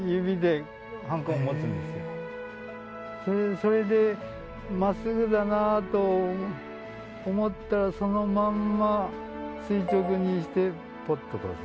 それでまっすぐだなと思ったらそのまんま垂直にしてポッとこう押す。